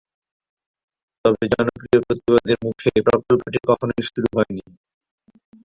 তবে জনপ্রিয় প্রতিবাদের মুখে প্রকল্পটি কখনোই শুরু হয়নি।